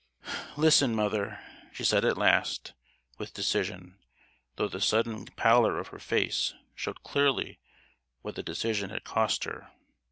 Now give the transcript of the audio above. "Listen, mother," she said at last, with decision; though the sudden pallor of her face showed clearly what the decision had cost her.